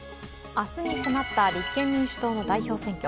明日に迫った立憲民主党の代表選挙。